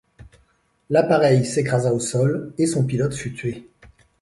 L’appareil s’écrasa au sol et son pilote fut tué.